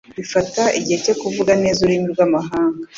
Bifata igihe cyo kuvuga neza ururimi rwamahanga.